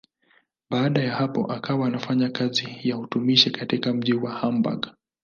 Baada ya hapo akawa anafanya kazi ya utumishi katika mji wa Hamburg.